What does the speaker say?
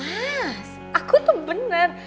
mas aku tuh bener